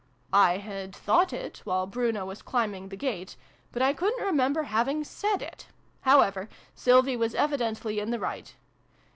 I had thought it, while Bruno was climbing the gate, but I couldn't remember having said it. However, Sylvie was evidently in the right.